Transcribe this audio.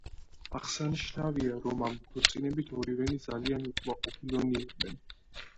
აღსანიშნავია, რომ ამ ქორწინებით ორივენი ძალიან უკმაყოფილონი იყვნენ.